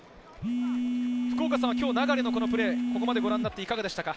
福岡さんは流のプレー、ここまでご覧になって、いかがでしたか？